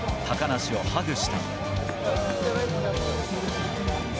高梨をハグした。